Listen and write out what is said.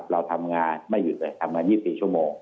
เราทำงานไม่หยุดเลยทำงาน๒๔ชั่วโมง